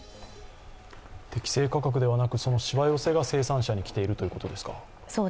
適正価格ではなく、そのしわ寄せが生産者にきているということですか？